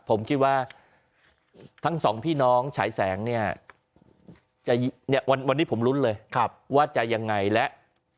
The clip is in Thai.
ผมคิดว่าทั้งสองพี่น้องฉายแสงเนี่ยวันนี้ผมลุ้นเลยว่าจะยังไงและ